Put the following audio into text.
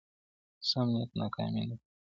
سم نیت ناکامي نه پیدا کوي.